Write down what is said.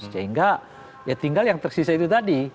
sehingga ya tinggal yang tersisa itu tadi